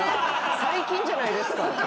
最近じゃないですか。